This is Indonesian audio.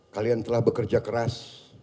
kalian telah bekerja keras